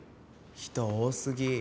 人多すぎ。